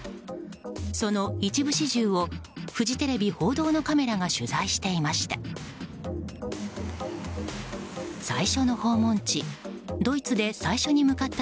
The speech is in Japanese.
その一部始終をフジテレビ報道のカメラが取材していました。